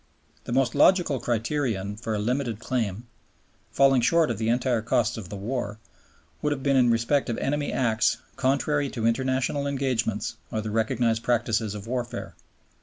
The most logical criterion for a limited claim, falling short of the entire costs of the war, would have been in respect of enemy acts contrary to International engagements or the recognized practices of warfare.